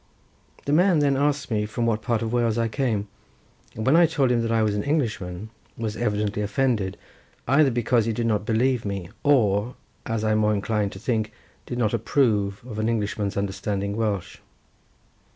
The man then asked me from what part of Wales I came, and when I told him that I was an Englishman was evidently offended, either because he did not believe me, or, as I more incline to think, did not approve of an Englishman's understanding Welsh.